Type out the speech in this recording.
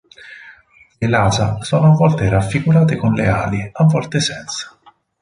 Le Lasa sono a volte raffigurate con le ali, a volte senza.